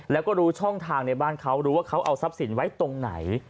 แล้วก็รู้ช่องทางในบ้านเขารู้ว่าเขาเอาทรัพย์สินไว้ตรงไหน